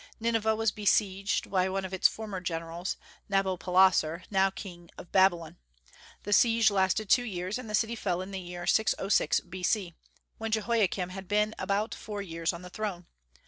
Nineveh was besieged by one of its former generals, Nabopolassar, now king of Babylon. The siege lasted two years, and the city fell in the year 606 B.C., when Jehoiakim had been about four years on the throne.